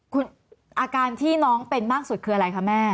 คุณอาการที่น้องเป็นมากสุดคืออะไรคะแม่